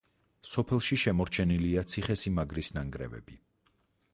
სოფელში შემორჩენილია ციხესიმაგრის ნანგრევები.